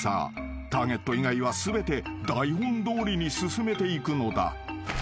［ターゲット以外は全て台本どおりに進めていくのだ］